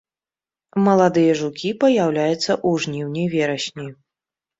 Маладыя жукі паяўляюцца ў жніўні-верасні.